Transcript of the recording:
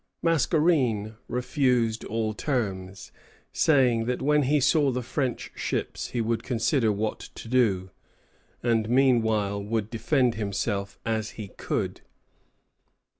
Mascarene refused all terms, saying that when he saw the French ships, he would consider what to do, and meanwhile would defend himself as he could.